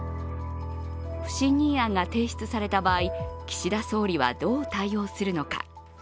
不信任案が提出された場合、岸田総理はどう対応するのか。